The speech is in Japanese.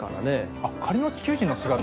あっ仮の地球人の姿が。